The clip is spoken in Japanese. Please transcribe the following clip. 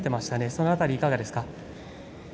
その辺りはいかがですか？